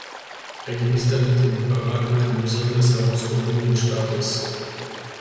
Er genießt damit in Hitparaden einen besonders herausgehobenen Status.